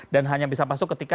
dan hanya bisa masuk ketika tiba